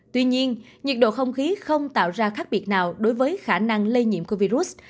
tuy nhiên nhiệt độ không khí không tạo ra khác biệt nào đối với khả năng lây nhiễm của virus